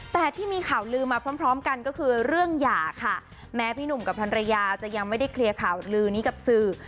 แต่ที่มีข่าวลืมมาพร้อมพร้อมกันก็คือเรื่องหย่าค่ะแม้พี่หนุ่มกับภรรยาจะยังไม่ได้เคลียร์ข่าวลือนี้กับสื่อ